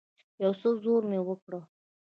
يو څه زور مې وکړ.